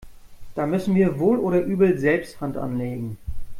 Da müssen wir wohl oder übel selbst Hand anlegen.